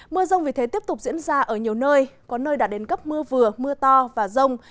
mưa rông vì thế tiếp tục diễn ra ở nhiều nơi có nơi đã đến cấp mưa vừa mưa to và rông